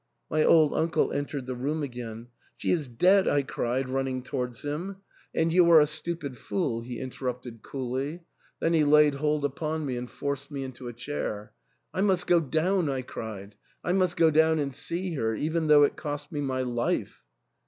My old uncle entered the room again. " She is dead !" I cried, running towards him. " And you are 36o THE ENTAIL. a stupid fool," he interrupted coolly ; then he laid hold upon me and forced me into a chair. '^ I must go down," I cried, " I must go down and see her, even though it cost me my life."